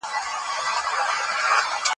زه هره ورځ پاکوالي ساتم.